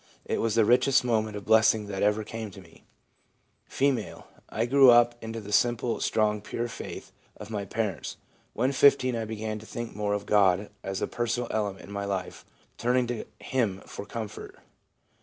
It was the richest moment of blessing that ever came to me.' F. * I grew up into the simple, strong, pure faith of my parents. When 151 began to think more of God as a personal element in my life, turning to Him for comfort.'